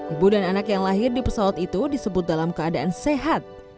ibu dan anak yang lahir di pesawat itu disebut dalam keadaan sehat